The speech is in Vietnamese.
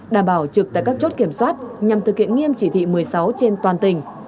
đảm bảo trực tại các chốt kiểm soát nhằm thực hiện nghiêm chỉ thị một mươi sáu trên toàn tỉnh